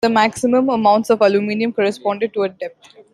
The maximum amounts of aluminium correspond to a depth.